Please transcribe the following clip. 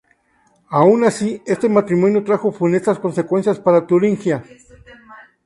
Aun así este matrimonio trajo funestas consecuencias para Turingia.